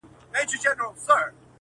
پر ها بل یې له اسمانه ټکه لوېږي٫